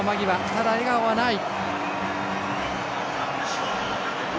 ただ、笑顔はない。